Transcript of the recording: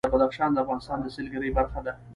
بدخشان د افغانستان د سیلګرۍ برخه ده.